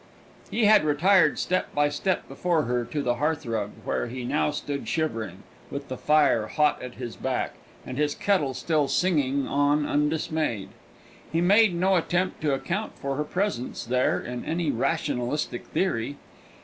He had retired step by step before her to the hearthrug, where he now stood shivering, with the fire hot at his back, and his kettle still singing on undismayed. He made no attempt to account for her presence there on any rationalistic theory.